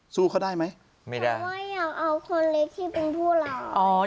สู้เขาได้ไหมไม่ได้ไม่อยากเอาคนเล็กที่เป็นผู้เราอ๋อ